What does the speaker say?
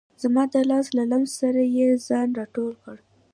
زما د لاس له لمس سره یې ځان را ټول کړ.